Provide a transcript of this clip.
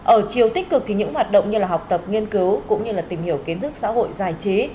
ở chiều tích cực thì những hoạt động như là học tập nghiên cứu cũng như là tìm hiểu kiến thức xã hội giải trí